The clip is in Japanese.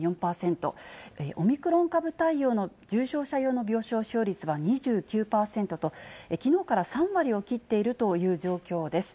オミクロン株対応の重症者用の病床使用率は２９％と、きのうから３割を切っているという状況です。